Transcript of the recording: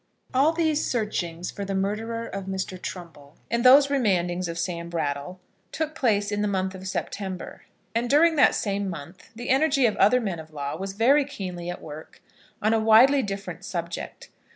All these searchings for the murderers of Mr. Trumbull, and these remandings of Sam Brattle, took place in the month of September, and during that same month the energy of other men of law was very keenly at work on a widely different subject.